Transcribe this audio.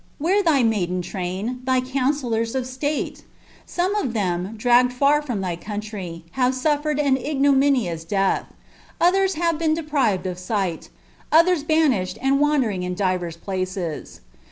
— where thy maiden tnua. thy counsellora of slate ? Some of them, dragged far from thj country, have sulTered an ignominous death; others have been deprived of^igbij others banish^ and wandering in divers places.